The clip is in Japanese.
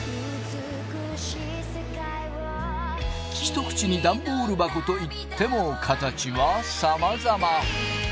一口にダンボール箱といっても形はさまざま。